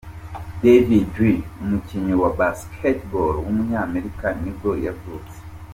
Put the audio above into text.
David Lee, umukinnyi wa basketball w’umunyamerika nibwo yavutse.